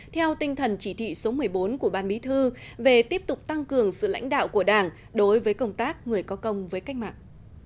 theo tinh thần chỉ thị số một mươi bốn của ban bí thư về tiếp tục tăng cường sự lãnh đạo của đảng đối với công tác người có công với cách mạng